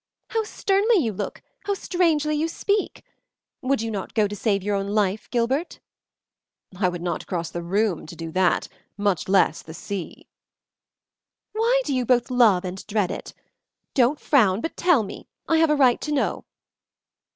"How stern you look, how strangely you speak. Would you not go to save your own life, Gilbert?" "I would not cross the room to do that, much less the sea." "Why do you both love and dread it? Don't frown, but tell me. I have a right to know."